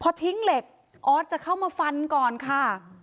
พอทิ้งเหล็กออสจะเข้ามาฟันก่อนค่ะ